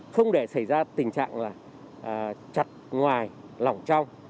không để xảy ra tình trạng là chặt ngoài lỏng trong